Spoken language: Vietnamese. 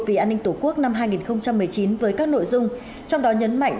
vì an ninh tổ quốc năm hai nghìn một mươi chín với các nội dung trong đó nhấn mạnh